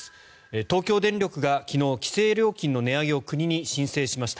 東京電力が昨日、規制料金の値上げを国に申請しました。